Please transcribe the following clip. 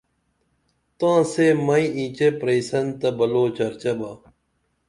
تاں سے مئی اینچے پرئسن تہ بلوچرچہ با